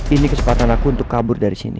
ini kesempatan aku untuk kabur dari sini